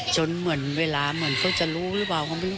จนเหมือนเวลาเหมือนเขาจะรู้หรือเปล่า